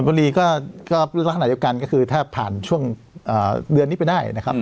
บุรีก็ลักษณะเดียวกันก็คือถ้าผ่านช่วงเดือนนี้ไปได้นะครับ